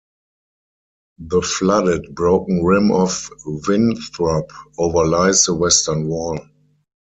The flooded, broken rim of Winthrop overlies the western wall.